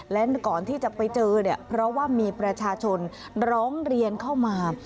และก่อนที่จะไปเจอเนี่ยเพราะว่ามีประชาชนร้องเรียนเข้ามา